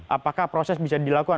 apakah proses bisa dilakukan